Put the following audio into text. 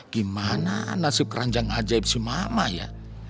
gimana nasi keranjang ajaib si mama ya